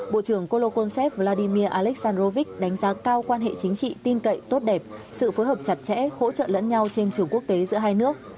bộ trưởng colokhone vladimir aleksandrovich đánh giá cao quan hệ chính trị tin cậy tốt đẹp sự phối hợp chặt chẽ hỗ trợ lẫn nhau trên trường quốc tế giữa hai nước